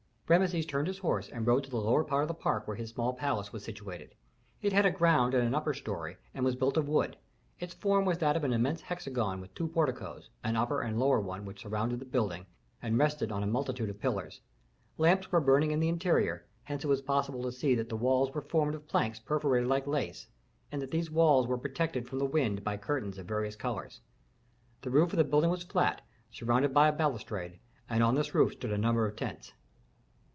Rameses turned his horse and rode to the lower part of the park where his small palace was situated. It had a ground and an upper story and was built of wood. Its form was that of an immense hexagon with two porticos, an upper and a lower one which surrounded the building and rested on a multitude of pillars. Lamps were burning in the interior; hence it was possible to see that the walls were formed of planks perforated like lace, and that these walls were protected from the wind by curtains of various colors. The roof of the building was flat, surrounded by a balustrade; on this roof stood a number of tents.